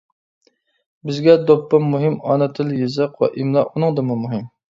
بىزگە دوپپا مۇھىم، ئانا تىل-يېزىق ۋە ئىملا ئۇنىڭدىنمۇ مۇھىم.